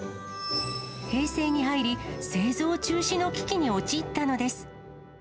平成に入り、製造中止の危機に陥ったのです。